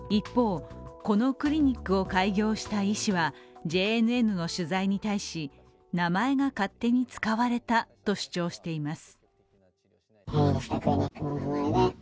一方、このクリニックを開業した医師はＪＮＮの取材に対し名前が勝手に使われたと主張しています。